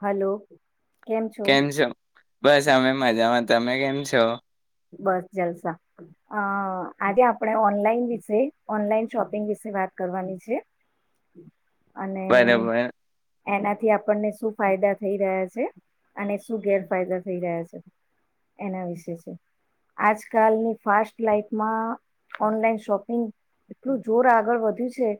Hello કેમ છ બસ અમે મજામાં. તમે કેમ છો બસ જલસા અ આજે આપણે ઓનલાઈન વિશે ઓનલાઈન શોપિંગ વિશે વાત કરવાની છે અને બરોબર એનાથી આપણને શું ફાયદા થઈ રહ્યા છે અને શું ગેરફાયદા થઈ રહ્યા છે એના વિશે છે આજકાલની ફાસ્ટ લાઈફમાં ઓનલાઈન શોપિંગ એટલું જોર આગળ વધ્યું છે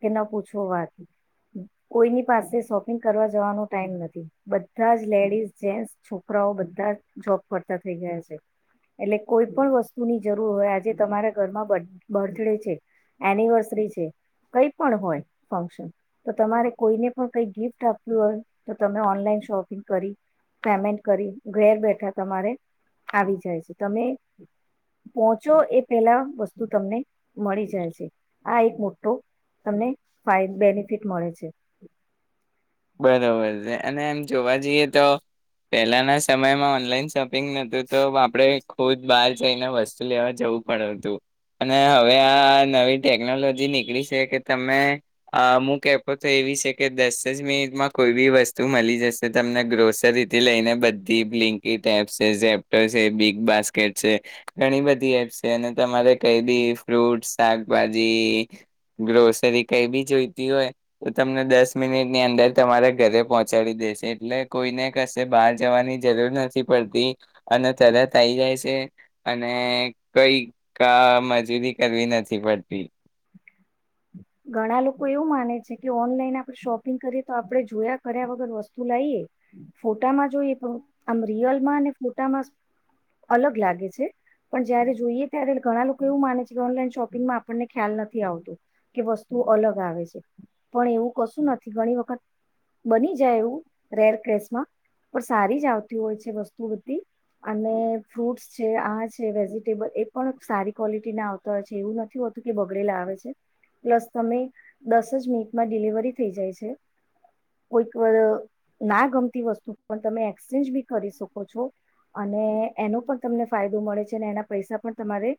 કે ન પૂછવાથી કોઈની પાસે શોપિંગ કરવા જવાનો ટાઈમ નથી બધા જ લેડીઝ જેસ છોકરાઓ બધા જોબ ફરતા થઈ ગયા છે એટલે કોઈ પણ વસ્તુની જરૂર હોય આજે તમારા ઘરમાં બર્થડે છે એનિવર્સરી છે કઈ પણ હોય ફંક્શન તો તમારે કોઈને પણ કઈ ગિફ્ટ આપ્યું હોય તો તમે ઓનલાઈન શોપિંગ કરી પેમેન્ટ કરી ઘેર બેઠા તમારે આવી જ તમે પહોંચો એ પેલા વસ્તુ તમને મળી જાય છે આ એક મોટો તમને ફાય બેનિફિટ મળે છે બરોબર છે અને એમ જોવા જઈએ તો પહેલાના સમયમાં ઓનલાઈન શોપિંગ નહોતું તો આપણે ખુદ બહાર જઈને વસ્તુ લેવા જવું પડ્યું હતું અને હવે આ નવી ટેકનોલોજી નીકળી છે કે તમેમું કહેપો તો એવી છે કે દસ જ મી માં કોઈ બી વસ્તુ મળી જશે તમને ગ્રોસરીથી લઈને બધી લિંકડ એપ્ છે ઝેપો છે બિગ બાસ્કેટ છે ઘણી બધી એપ્ છે અને તમારે કઈ બી ફ્રૂટ શાકભાજી ગ્રોસરી કઈ બી જોઈતી હોય તો તમને દસ મિનિટની અંદર તમારે ઘરે પહોંચાડી દેશે એટલે કોઈને કશે બહાર જવાની જરૂર નથી પડતી અને તરત થઈ જાય છે અને કઈ ક મજૂરી કરવી નથી પડતી ઘણા લોકો એવું માને છે કે ઓનલાઈન આપણે શોપિંગ કરીએ તો આપણે જોયા કર્યા વગર વસ્તુ લાઈએ ફોટામાં જોઈએ પણ આમ રિયલમાં અને ફોટામાં અલગ લાગે છે પણ જયારે જોઈએ ત્યારે ઘણા લોકો એવું માને છે કે ઓનલાઈન શોપિંગમાં આપણને ખ્યાલ નથી આવતો કે વસ્તુ અલગ આવે છે પણ એવું કશું નથી ઘણી વખત બની જાય એવું રેર ક્રેસમાં પણ સારી જ આવતી હોય છે વસ્તુ બધી અને ફ્રૂટ્સ છે આ છે વેજીિટેબલ એ પણ સારી ક્વોલિટી ના આવતા હોય છે એવું નથી હોતું કે બગડેલા આવે છે પ્લસ તમે દસ જ મિનિટમાં ડિલિવરી થઈ જાય છે કોઈક ના ગમતી વસ્તુ પણ તમે એક્સચેન્જ બી કરી શકો છો અને એનો પણ તમને ફાયદો મળે છે અને એના પૈસા પણ તમારે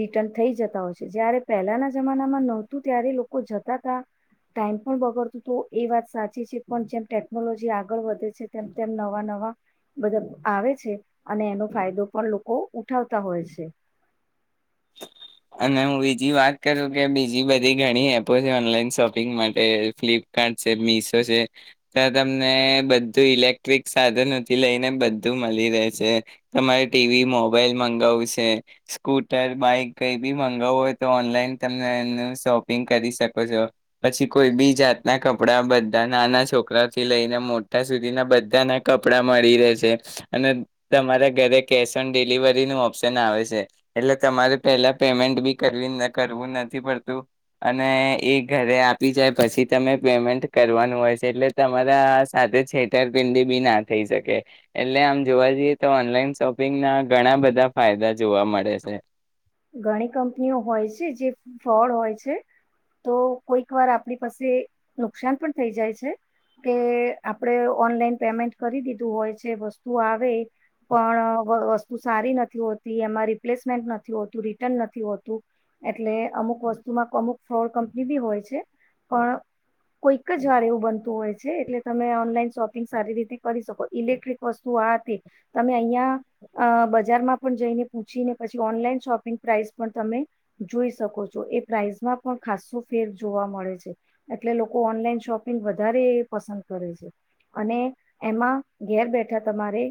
રિટર્ન થઈ જતા હોય છે જયારે પહેલાના જમાનામાં ન ત્યારે લોકો જતા ત ટાઈમ પણ બગડતું તો એ વાત સાચી છે પણ જેમ ટેકનોલોજી આગળ વધે છે તેમ તેમ નવા નવા બધા આવે છે અને એનો ફાયદો પણ લોકો ઉઠાવતા હોય છે અને હું બીજી વાત કરું કે બીજી બધી ઘણી એપો છે ઓનલાઈન શોપિંગ માટે ફ્લિપકાર્ટ છે મિશો છે ત્યાં તમને બધું ઇલેક્ટ્રિક સાધનોથી લઈને બધું મળી રહેશે તમારે ટીવી મોબાઈલ મંગાવું છે સ્કૂટર બાઈક કંઈ બી મંગાવવું હોય તો ઓનલાઈન તમે એનું શોપિંગ કરી શકો છો પછી કોઈ બી જાતનાં કપડાં બધા નાના છોકરાઓથી લઈને મોટા સુધીના બધાના કપડાં મળી રહે છે અને તમારા ઘરે કેશ ઓન ડિલિવરીનું ઓપ્શન આવે છે એટલે તમારે પહેલાં પેમેન્ટ બી કરવી કરવું નથી પડતું અને એ ઘરે આપી જાય પછી તમે પેમેન્ટ કરવાનું હોય છે એટલે તમારા સાથે છેતરપિંડી બી ના થઈ શકે એટલે આમ જોવા જઈએ તો ઓનલાઈન શોપિંગના ઘણા બધા ફાયદા જોવા મળે છે ઘણી કંપનીઓ હોય છે જે ફ્રોડ હોય છે તો કોઈક વાર આપણી પાસે નુકસાન પણ થઈ જાય છે કે આપડે ઓનલાઈન પેમેન્ટ કરી દીધું હોય છે વસ્તુ આવે પણ વસ્તુ સારી નથી હોતી એમાં રિપ્લેસમેન્ટ નથી ું રિટન નથી હોતું એટલે અમુક વસ્તુમાં અમુક ફ્રોડ કંપની બી હોય છે પણ કોઈક જ વાર એવું બનતું હોય છે એટલે તમે ઓનલાઈન શોપિંગ સારી રીતે કરી શકો ઇલેક્ટ્રિક વસ્તુ આ હતી તમે અહીંયા બજારમાં પણ જઈને પૂછીને પછી ઓનલાઈન શોપિંગ પ્રાઇસ પણ તમે જોઈ શકો છો એ પ્રાઇસમાં પણ ખસ્સો ફેર જોવા મળે છે એટલે લોકો ઓનલાઈન શોપિંગ વધારે પસંદ કરે છે અને એમાં ઘેર બેઠા તમારે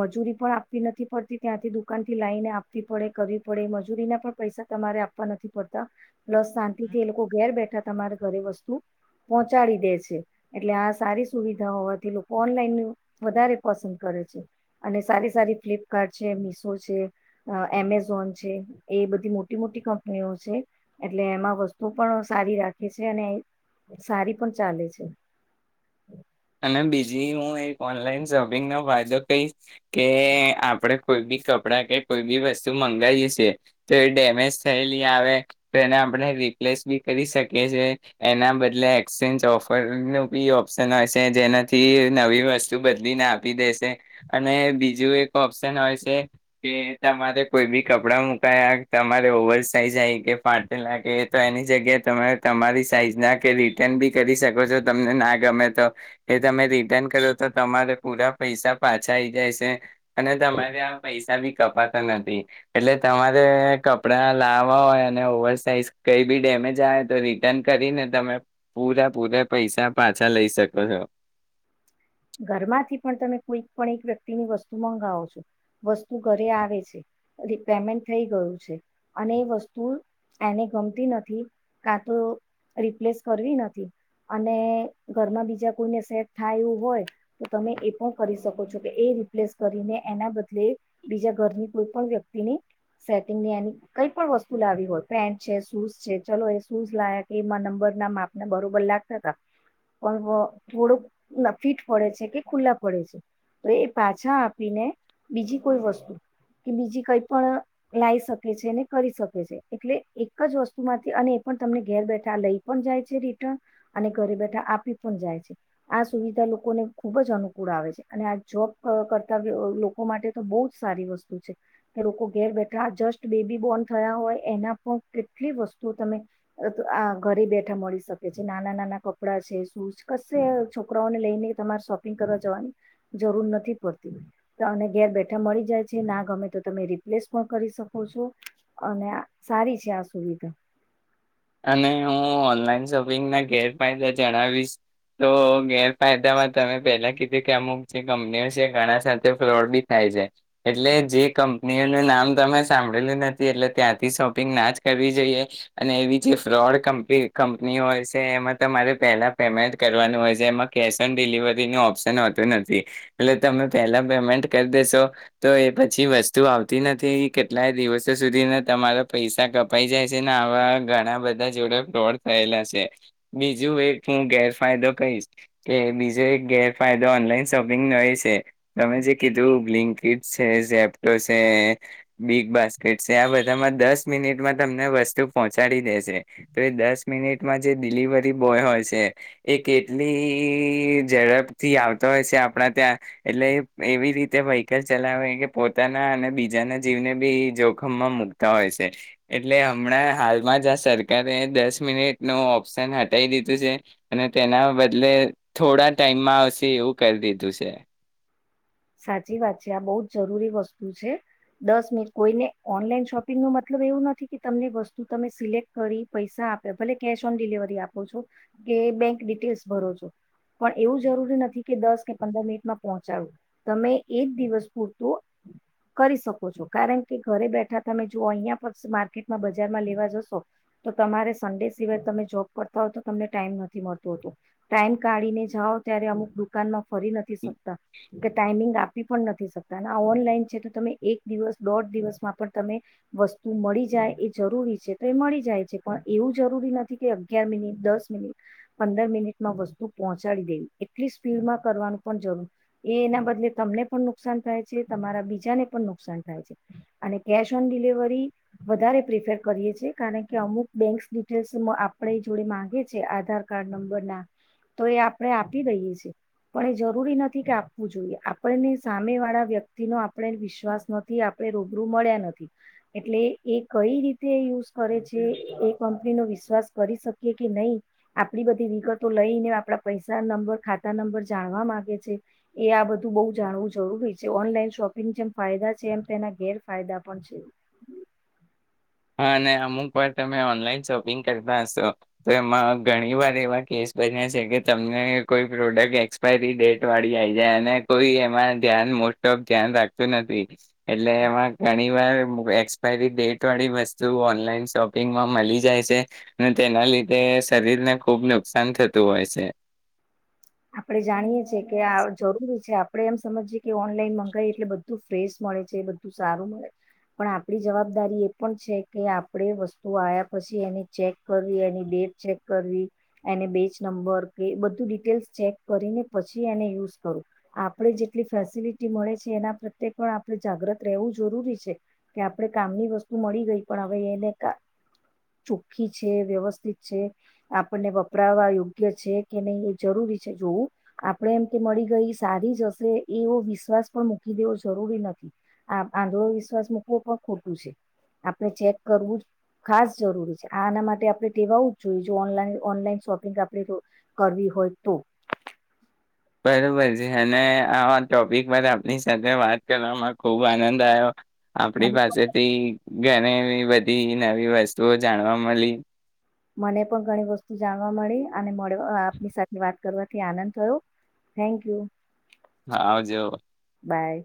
મજૂરી પણ આપવી નથી પડતી ત્યાંથી દુકાનથી લાવને આપવી પડે પડે મજૂરીના પણ પૈસા તમારે આપવા નથી પડતા પ્લસ શાંતિથી એ લોકો ઘેર બેઠા તમારે ઘરે વસ્તુ પહોંચાડી દે છે એટલે આ સારી સુવિધા હોવાથી લોકો ઓનલાઈન વધારે પસંદ કરે છે અને સારી સારી ફ્લપકાર્ટ છે મિસો છે એમે ો છે એ બધી મોટી મોટી કંપનીઓ છે એટલે એમાં વસ્તુ પણ સારી રાખે છે અને સારી પણ ચાલે છે અને બીજી હું એક ઓનલાઈન શોપિંગ ન ફાયદો કહીશ કે આપણેે કોઈ બી કપડાં કે કોઈ બી વસ્તુ મંગાવીએ છેીએ તો એ ડેમેજ થયેલી આવે તો એને આપણે રિપ્લેસ બી કરી શકીએ છે એના બદલે એક્સચેન્જ ઓફર ન બી ઓપ્શન હોય જેનાથી નવી વસ્તુ બદલીને આપી દેશે અને બીજું એક ઓપ્શન હોય છે કે તમારે કોઈ બી કપડાં મુકાયા તમારે ઓવર સાઇઝ આવી કે ફાટે લાગે તો એની જગ્યાએ તમે તમારી સાઈઝ ના કે રિટર્ન બી કરી શકો છો તમને ના ગમે તો એ તમે રિટર્ન કરો તો તમારે પૂરા પૈસા પાછા આઈ જાયશે અને તમારે આ પૈસા બી કપાતા નથી એટલે તમારે કપડા લાવવા હોય અને ઓવર સાઇઝ કઈ બી ડેમેજ આવે તો રિટર્ન કરીને તમે પૂરા પૂરા પૈસા પાછા લઈ શકો અચછા ઘરમાંથી પણ તમે કોઈક પણ એક વ્યક્તિની વસ્તુ મંગાવો છો વસ્તુ ઘરે આવે છે પેમેન્ટ થઈ ગયું છે અને એ વસ્તુ એને ગમતી નથી કાં તો રિપ્લેસ કરવી નથી અને ઘરમાં બીજા કોઈને સેટ થાય એું હોય તો તમે એ પણ કરી શકો છો કે એ રિપ્લેસ કરીને એના બદલે બીજા ઘરની કોઈ પણ વ્યક્તિની સેટિંગ ની એની કઈ પણ વસ્તુ લાવી હોય પેન્ટ છે શૂઝ છે ચલો એ શૂઝ લાવયા કે એમાં નંબર ના માપને બરોબર લાગતા હતા પણ થોડોક ફિટ પડે છે કે ખુલ્લા પડે છે તો એ પાછા આપીને બીજી કોઈ વસ્તુ કે બીજી કઈ પણ લાઈ શકે છે ને કરી શકે છે એટલે એક જ વસ્તુ માંથી અને એ પણ તમને ઘેર બેઠા લઈ પણ જાય છે રિટર્ન અને ઘરે બેઠા આપી પણ જાય છે આ સુવિધા લોકો લોકોને ખૂબ જ અનુકૂળ આવે છે અને આ જોબ કરતા લોકો માટે તો બહુ જ સારી વસ્તુ છે કે લોકો ઘેર બેઠા આ જસ્ટ બેબી બોર્ન થયા હોય એના પણ કેટલી વસ્તુ તમે આ ઘરે બેઠા મળી શકે છે નાના નાના કપડાં છે શૂઝ કશે છોકરાઓને લઈને તમારે શોપિંગ કરવા જવાની જરૂર નથી પડતી અને ઘેર બેઠા મળી જાય છે ના ગમે તો તમે રિપ્લેસ પણ કરી શકો છો અને સારી છે આ સુવિધા અને હું ઓનલાઈન શોપિંગના ગેરફાયદા જણાવીશ તો ગેરફાયદામાં તમે પહેલા કીધું કે અમુક જે કંપનીઓ છે ઘણા સાથે ફ્રોડ બી થાય છે એટલે જે કંપનીઓનું નામ તમે સાંભળેલું નથી એટલે ત્યાંથી શોપિંગ ના જ કરવી જોઈએ અને એવી જે ફ્રોડ કંપી કંપની હોય છે એમાં તમારે પહેલાં પેમેન્ટ કરવાનું હોય છે એમાં કેશ ઓન ડિલિવરીનું ઓપ્શન હોતું નથી એટલે તમે પહેલાં પેમેન્ટ કરી દેશો તો એ પછી વસ્તુ આવતી નથી કેટલાય દિવસો સુધીના તમારા પૈસા કપાઈ જાય છે ને આવા ઘણા બધા જોડે ફોડ થયેલા છે બીજું એક હું ગેરફાયદો કહીશ કે બીજો એક ગેરફાયદો ઓનલાઈન શોપિંગનો એ છે તમે જે કીધું ગ્લિંકીટ છે ઝેપ્ટો છે બિગ બાસ્કેટ છે આ બધામાં દસ મિનિટમાં તમને વસ્તુ પહોચ પચાડી દે છે તો એ દસ મિનિટમાં જે ડિલિવરી બોય હોય છે એ કેટલી ઝડપથી આવતો હોય છે આપણા ત્યાં એટલે એવી રીતે વ્હકલ ચલાવે કે પોતાના અને બીજાના જીવને બી જોખમમાં મકતા હોય છે એટલે હમણાં હાલ માં જ સરકારે દસ મિનિટ ન ઓપ્શન હટાવ દીધું છે અને તેના બદલે થોડા ટાઈમમાં આવશે એવું કરી દીધું છે સાચી વાત છે આ બહુ જ જરૂરી વસ્તુ છે દસ મિનિટ કોઈને ઓનલાઈન શોપિંગ ન મતલબ એવું નથી કે તમને વસ્તુ તમે સિલેક્ટ કરી પૈસા આપે ભલે કેશ ઓન ડિલિવરી આપો છો કે બેંક ડિટેલ્સ ભરો છો પણ એવું જરૂરી નથી કે દસ કે પંદર મિનિટમાં પહોંચાડવું તમે એજ દિવસ પૂરતું કરી શકો છો કારણ કે ઘરે બેઠા તમે જો અહિયાયા પ માર્કેટમાં બજારમાં લેવા જશો તો તમારે સડે સિવાય તમે જોબ કરતા હો તો તમને ટાઈમ નથી મળતોતો ટાઈમ કાઢીને જાઓ ત્યારે અમુક દુકાનમાં ફરી નથી શકતા કે ટાઈમિંગ આપ આપી પણ નથી શકતા અને ઓનલાઈન છે તો તમે એક દિવસ દોઢ દિવસમાં પણ તમે વસ્તુ મળી જાય એ જરૂરી છે તો એ મળી જાય છે પણ એવું જરૂરી નથી કે અગિયાર મિનિટ દસ મિનિટ પંદર મિનિટમાં વસ્તુ પહોંચાડી દેવી એટલી સ્પીડમાં કરવાનું પણ જરૂર એ એના બદલે તમને પણ નુકસાન થાય છે તમારા બીજાને પણ નુકસાન થાય છે અને કેશ ઓન ડિલિવરી વધારે પ્રિફર કરીએ છે કારણ કે અમુક બેન્ક ડિટેલ્સ આપણે જોડે માંગે છેએ આધાર કાર્ડ નંબરના તો એ આપણે આપી દઈએ છીએ પણ એ જરૂરી નથી કે વું જોઈએ આપને સામે વાળા વ્યક્તિ નો આપણે વિશ્વાસ નથી આપણે રૂબરૂ મળ્યા નથી એટલે એ કઈ રીતે યુઝ કરે છે એ કંપની નો વિશ્વાસ કરી શકીએ કે નહી આપડી બધી વિગતો લઈ ને આપડા પૈસા નંબર ખાતા નંબર જાણવા માંગે છે એ આ બધું બહ જાણવું જરૂરી છે ઓનલાઈન શોપિંગ જેમ ફાયદા છે એમ તેના ગેરફાયદા પણ છે હા અને અમુક વાર તમે ઓનલાઈન શોપિંગ કરતા હશો તો એમાં ઘણીવાર એવા કેસ બન્યા છે કે તમને કોઈ પ્રોડક્ટ એક્સપાયરી ડેટ વાળી આવી જાય અને કોઈ એમાં ધ્યાન મોસ્ટ ઓફ ધ્યાન રાખતું નથી એટલે એમાં ઘણીવાર એક્સપાયરી ડેટ વાળી બ ત ઓનલાઈન શોપિંગમાં મળી જાય છે અને તેના લીધે શરીરને ખુબ નુકસાન થતું હોય છે આપડણે જાણીએ છેએ કે જરૂરી છે આપડણે એમ સમજીે કે ઓનલાઈન મંગાવએ એટલે બધું ફ્રેશ મળે છે બધું સારું મળે પણ આપણી જવાબદારી એ પણ છે કે આપણે વસ્તુ આવ્યા પછી એને ચેક કરવી એની ડેટ ચેક કરવી એને બેચ નંબર કે બધું ડિટેલ્સ ચેક કરીને પછી એને યુઝ કરું આપણે જેટલી ફેસિલિટી મળે છે એના પ્રત્યે પણ આપણે જાગ્રત રહેવું જરૂરી છે કે આપણે કામની વસ્તુ મળી ગઈ પણ હવે એને ચોખ્ખી છે વ્યવસ્થિત છે આપણને વપરાવા યોગ્ય છે કે નહી એ જરૂરી જોવું આપડે એમ કે મળી ગઈ સારી જ હશે એવો વિશ્વાસ પણ મૂકી દેવો જરૂરી નથી આ આંધો વિશ્વાસ મૂકવો પણ ખોટું છે આપણે ચેક કરવું જ ખાસ જરૂરી છે આના માટે આપણે ટેવાવું જ જોઈએ જો ઓનલા ઓનલાઈન શોપિંગ આપણે કરવી હોય. તો. બરોબર છે અને આ ટોપિક પર આપની સાથે વાત કરવામાં ખુબ આનંદ આવ્યો. આપડી મને પણ પાસેથી ઘણી એવી બધી નવી વસ્તુઓ જાણવા મળી. મને પણ ઘણી વસ્તુ જાણવા મળી અને મળ આપની સાથે વાત કરવાથી આનંદ થયો થેન્ક યુ. હા આવજો. બાય.